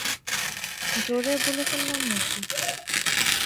জোরে বলে ফেললাম নাকি?